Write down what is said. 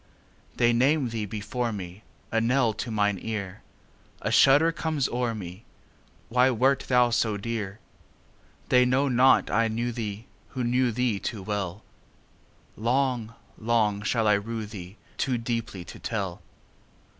They name thee before me,A knell to mine ear;A shudder comes o'er me—Why wert thou so dear? They know not I knew theeWho knew thee too well:Long, long shall I rue theeToo deeply to tell.